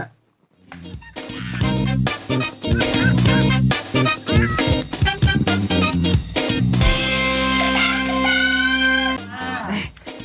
ครับ